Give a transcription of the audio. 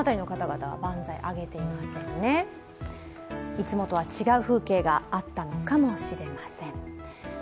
いつもとは違う風景があったのかもしれません。